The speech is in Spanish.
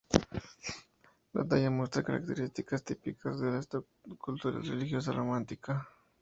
La talla muestra las características típicas de la escultura religiosa románica.